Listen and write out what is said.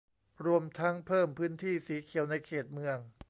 รวมทั้งเพิ่มพื้นที่สีเขียวในเขตเมือง